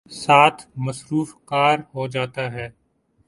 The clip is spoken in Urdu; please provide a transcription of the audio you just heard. ساتھ ''مصروف کار" ہو جاتا ہے۔